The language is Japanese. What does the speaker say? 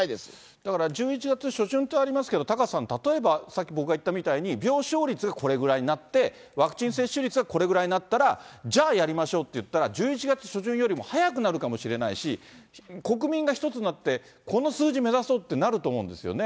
だから１１月初旬とありますけど、タカさん、例えばさっき僕が言ったみたいに、病床率がこれぐらいになって、ワクチン接種率がこれぐらいになったら、じゃあやりましょうっていったら、１１月初旬よりも早くなるかもしれないし、国民が一つになって、この数字目指そうってなると思うんですよね。